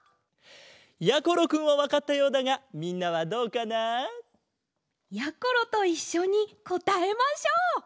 やころくんはわかったようだがみんなはどうかな？やころといっしょにこたえましょう！